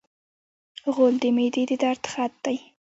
غول د معدې د درد خط دی.